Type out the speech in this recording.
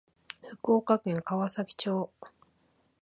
福岡県川崎町